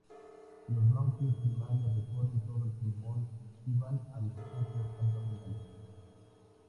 Los bronquios primarios recorren todo el pulmón y van a los sacos abdominales.